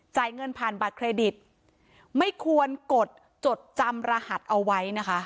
เงินผ่านบัตรเครดิตไม่ควรกดจดจำรหัสเอาไว้นะคะ